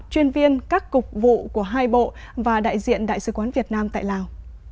chuyên viên các cục vụ của hai bộ và đại diện đại sứ quán việt nam tại lào